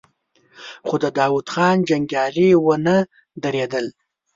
خو د داوود خان جنګيالي ونه درېدل.